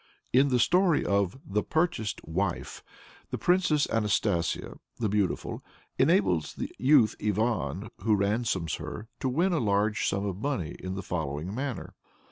" In the story of the "Purchased Wife," the Princess Anastasia, the Beautiful, enables the youth Ivan, who ransoms her, to win a large sum of money in the following manner.